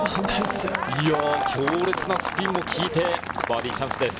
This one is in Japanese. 強烈なスピンが利いて、バーディーチャンスです。